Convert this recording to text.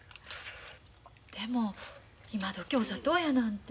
でも今どきお砂糖やなんて。